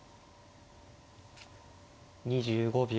２５秒。